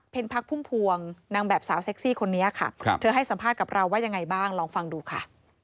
พักพุ่มพวงนางแบบสาวเซ็กซี่คนนี้ค่ะเธอให้สัมภาษณ์กับเราว่ายังไงบ้างลองฟังดูค่ะ